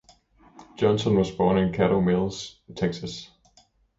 Johnson was born in Caddo Mills, Texas.